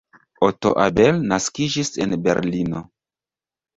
Otto Abel naskiĝis en Berlino.